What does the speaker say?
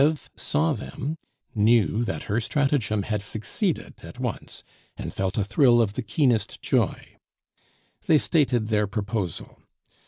Eve saw them, knew that her stratagem had succeeded at once, and felt a thrill of the keenest joy. They stated their proposal.